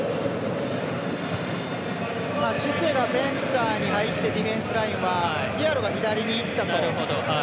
シセがセンターに入ってディフェンスラインはディアロが左に行ったと。